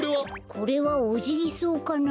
これはオジギソウかな？